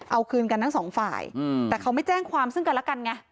เอาคืนกันทั้งสองฝ่ายแต่เขาไม่แจ้งความซึ่งกันแล้วกันไง